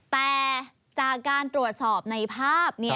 แต่จากการตรวจสอบในภาพ